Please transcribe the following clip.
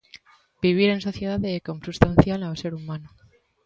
Vivir en sociedade é consubstancial ao ser humano.